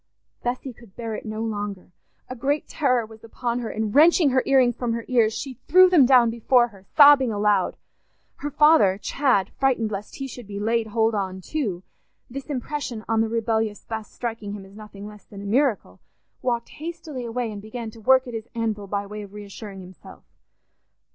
Bessy could bear it no longer: a great terror was upon her, and wrenching her ear rings from her ears, she threw them down before her, sobbing aloud. Her father, Chad, frightened lest he should be "laid hold on" too, this impression on the rebellious Bess striking him as nothing less than a miracle, walked hastily away and began to work at his anvil by way of reassuring himself.